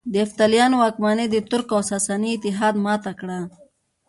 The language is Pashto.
د یفتلیانو واکمني د ترک او ساساني اتحاد ماته کړه